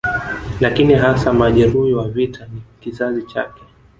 Lakini hasa majeruhi wa vita na kizazi chake